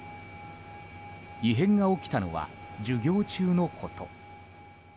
異変が起きたのは授業中のこと。